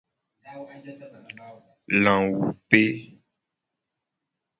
Lawupe.